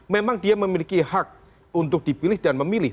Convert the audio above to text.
memang dia memiliki hak untuk dipilih